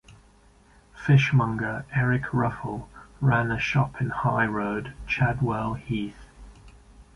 Fishmonger Eric Ruffell ran a shop in High Road, Chadwell Heath.